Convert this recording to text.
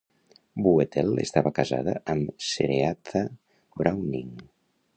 Buetel estava casat amb Cereatha Browning.